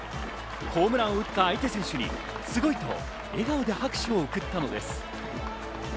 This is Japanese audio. ホームランを打った相手選手にすごいと笑顔で拍手を送ったのです。